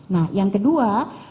nah yang kedua